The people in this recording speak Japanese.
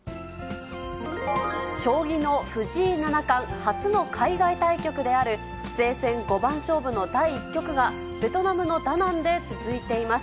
将棋の藤井七冠、初の海外対局である、棋聖戦五番勝負の第１局が、ベトナムのダナンで続いています。